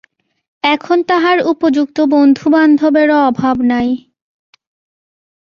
এখন তাহার উপযুক্ত বন্ধুবান্ধবেরও অভাব নাই।